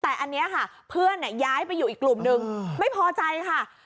แต่อันนี้ค่ะเพื่อนย้ายไปอยู่อีกกลุ่มนึงไม่พอใจค่ะ